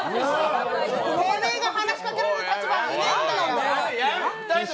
てめぇが話しかける立場にいねぇんだよ。